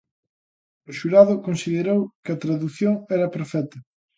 O xurado considerou que a tradución era perfecta.